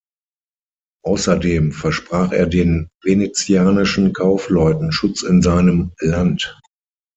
Außerdem versprach er den venezianischen Kaufleuten Schutz in seinem Land.